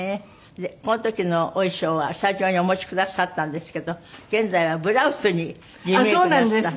この時のお衣装はスタジオにお持ちくださったんですけど現在はブラウスにリメイクなすった。